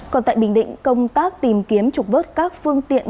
còn tại bình định công tác tìm kiếm trục vớt các phương tiện